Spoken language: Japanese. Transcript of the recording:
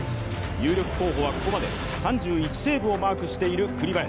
有力候補はここまで３１セーブをマークしている栗林。